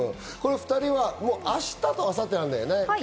２人は明日と明後日なんだよね。